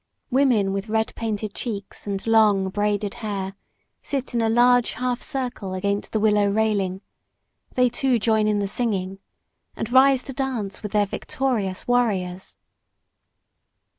Women with red painted cheeks and long, braided hair sit in a large half circle against the willow railing. They, too, join in the singing, and rise to dance with their victorious warriors.